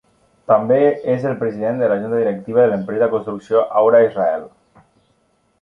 També és el president de la junta directiva de l'empresa de construcció Aura Israel.